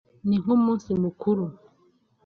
ni nk’umunsi mukuru [